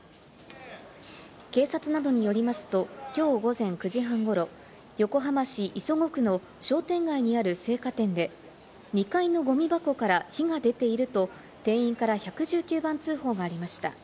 警察などによりますと、きょう午前９時半ごろ、横浜市磯子区の商店街にある青果店で、２階のゴミ箱から火が出ていると店員から１１９番通報がありました。